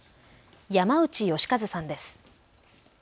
山内良和さんです。